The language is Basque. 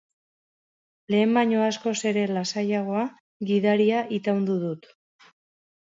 Lehen baino askoz ere lasaiagoa, gidaria itaundu dut.